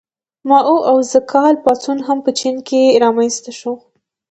مائو او د ز کال پاڅون هم په چین کې رامنځته شو.